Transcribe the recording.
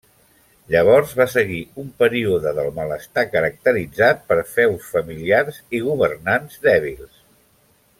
Llavors va seguir un període del malestar caracteritzat per feus familiars i governants dèbils.